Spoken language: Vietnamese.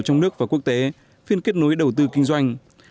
trong nước và quốc tế phiên kết nối đầu tư kinh doanh